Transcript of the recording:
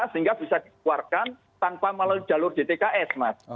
sehingga bisa dikeluarkan tanpa melalui jalur dtks mas